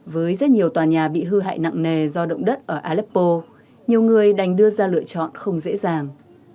với rất nhiều tòa nhà bị hư hại nặng nề do động đất ở aleppo nhiều người đành đưa ra lựa chọn không dễ dàng